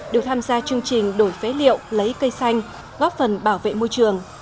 được tham gia chương trình đổi phế liệu lấy cây xanh góp phần bảo vệ môi trường